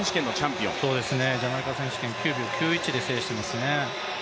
ジャマイカ選手権は９秒９１で制していますね。